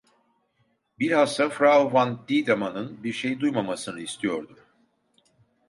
Bilhassa Frau van Tiedemann'ın bir şey duymamasını istiyordum.